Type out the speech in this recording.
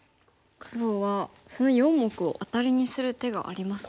黒はその４目をアタリにする手がありますか。